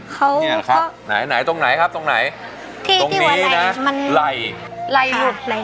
เขาก็ไหนตรงไหนครับตรงไหนตรงนี้นะไหล่ไหล่หลุด